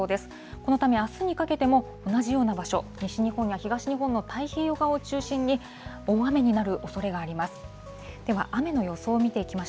このため、あすにかけても、同じような場所、西日本や東日本の太平洋側を中心に、大雨になるおそれがあります。